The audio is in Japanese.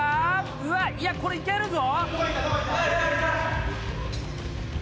うわっいやこれいけるぞ！